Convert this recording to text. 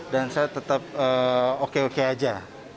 dan saya tetap oke oke aja